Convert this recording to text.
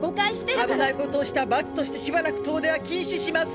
危ないことをした罰としてしばらく遠出は禁止します。